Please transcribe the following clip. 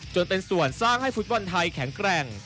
จนเป็นส่วนสร้างให้ฟุตบอลไทยแข็งแกร่ง